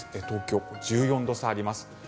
東京１４度差あります。